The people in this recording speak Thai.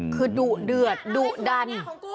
คือดุเดือดดุดัน